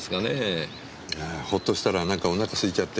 ほっとしたらなんかおなか空いちゃって。